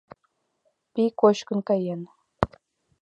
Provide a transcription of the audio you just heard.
Пий кочкын каен!